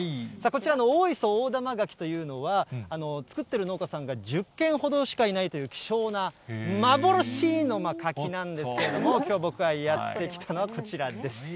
こちらの大磯大玉柿というのは、作っている農家さんが１０軒ほどしかいないという希少な幻の柿なんですけれども、きょう、僕がやって来たのはこちらです。